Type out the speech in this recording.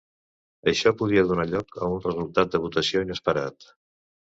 Això podria donar lloc a un resultat de votació inesperat.